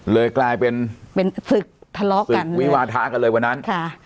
เลยกลายเป็นเป็นศึกทะเลาะกันวิวาทะกันเลยวันนั้นค่ะ